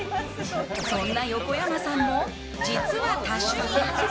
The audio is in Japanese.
そんな横山さんも実は多趣味！